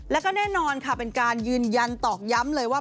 แล้วก็แน่นอนค่ะเป็นการยืนยันตอกย้ำเลยว่า